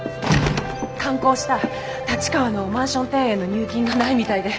完工した立川のマンション庭園の入金がないみたいで。